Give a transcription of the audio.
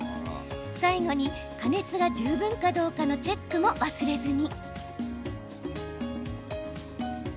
最後に加熱が十分かどうかのチェックも忘れずに。